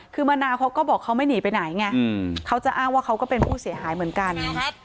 คือมะนาวเขาก็บอกเขาไม่หนีไปไหนไงเขาจะอ้างว่าเขาก็เป็นผู้เสียหายเหมือนกัน